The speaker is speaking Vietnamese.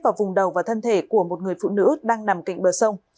vào vùng đầu và thân thể của một người phụ nữ đang nằm cạnh bờ sông